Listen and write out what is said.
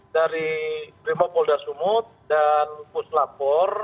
dari primo polda sumut dan puslapor